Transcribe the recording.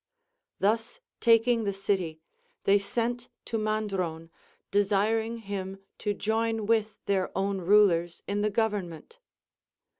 Thus taking the city, they sent to Mandron, desiring him to join with their own rulers in the government.